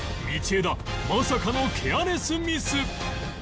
道枝まさかのケアレスミス